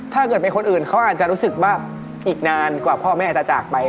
ถ้าเกิดเป็นคนอื่นเขาอาจจะรู้สึกว่าอีกนานกว่าพ่อแม่จะจากไป